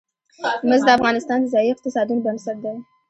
مس د افغانستان د ځایي اقتصادونو بنسټ دی.